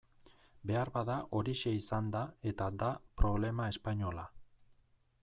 Beharbada horixe izan da eta da problema espainola.